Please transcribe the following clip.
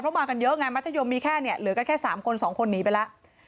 เพราะมากันเยอะไงมัธยมมีแค่เนี่ยเหลือกันแค่๓คน๒คนหนีไปแล้ว